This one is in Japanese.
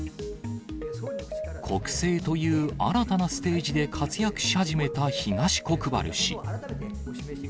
国政という新たなステージで活躍し始めた東国原氏。